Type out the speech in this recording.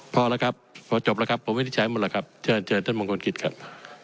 พอแล้วครับพอจบแล้วครับผมวินิจฉัยหมดแล้วครับเชิญเชิญท่านมงคลกิจครับ